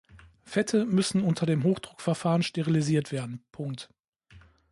Fette müssen unter dem Hochdruckverfahren sterilisiert werden, Punkt!